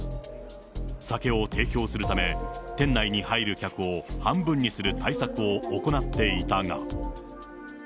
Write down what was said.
酒を提供するため、店内に入る客を半分にする対策を行っていたが。